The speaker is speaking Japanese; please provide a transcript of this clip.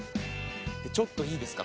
ちょっといいですか？